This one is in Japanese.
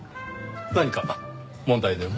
何か問題でも？